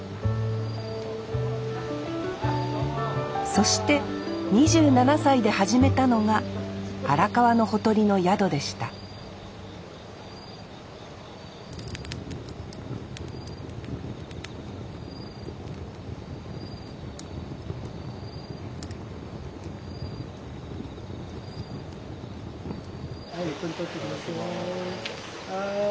そして２７歳で始めたのが荒川のほとりの宿でしたはいこれ取って下さい。